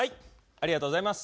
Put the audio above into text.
ありがとうございます。